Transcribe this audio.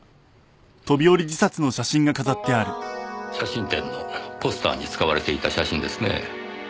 写真展のポスターに使われていた写真ですね。